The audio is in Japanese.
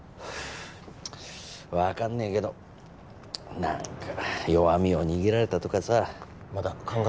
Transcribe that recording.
分かんねえけど何か弱みを握られたとかさまだ考え